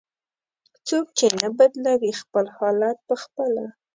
"څوک چې نه بدلوي خپل حالت په خپله".